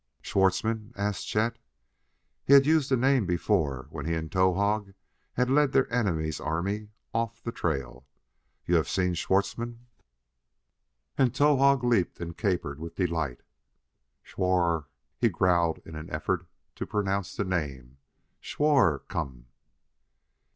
"Schwartzmann?" asked Chet. He had used the name before when he and Towahg had led their enemy's "army" off the trail. "You have seen Schwartzmann?" And Towahg leaped and capered with delight. "Szhwarr!" he growled in an effort to pronounce the name; "Szhwarr come!"